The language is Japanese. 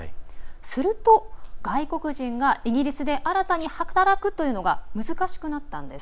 すると、外国人がイギリスで新たに働くというのが難しくなったんです。